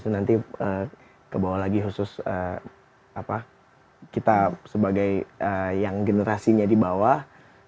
nanti kebawa lagi khusus kita sebagai yang generasinya di bawah